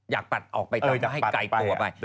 อยากตัดออกไปต้องให้ไกลกว่าไป